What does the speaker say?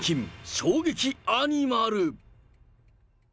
衝撃アニマル。